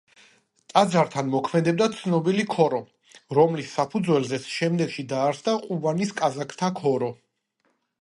ტაძართან მოქმედებდა ცნობილი ქორო, რომლის საფუძველზეც შემდეგში დაარსდა ყუბანის კაზაკთა ქორო.